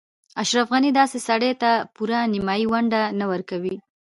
اشرف غني داسې سړي ته پوره نیمايي ونډه نه ورکوي.